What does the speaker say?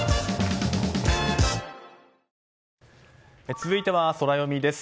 続いてはソラよみです。